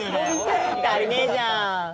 足りねえじゃん！